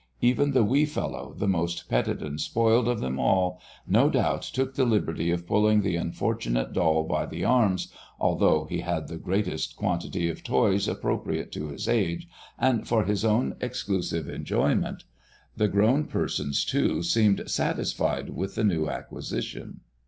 Even the wee fellow, the most petted and spoiled of them all, no doubt, took the liberty of pulling the unfortunate doll by the arms, although he had the greatest quantity of toys appropriate to his age and for his own exclusive enjoyment. The grown persons, too, seemed satisfied with the new acquisition.